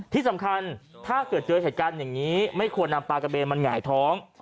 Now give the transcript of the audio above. ที่สำคัญถ้าเกิดเจอแห่งการอย่างนี้ไม่ควรนำปลากระเบนมันไหงายท้อง